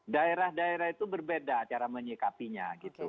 daerah daerah itu berbeda cara menyikapinya gitu